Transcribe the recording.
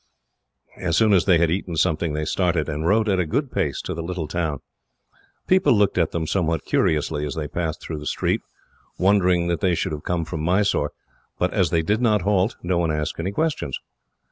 As soon as they had eaten something they started, and rode at a good pace to the little town. People looked at them somewhat curiously as they passed through the street, wondering that they should have come from Mysore; but as they did not halt, no one asked any questions.